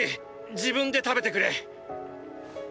自分で食べてくれ。